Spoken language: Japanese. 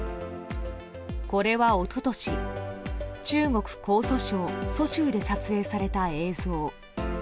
これは、一昨年中国・江蘇省蘇州で撮影された映像。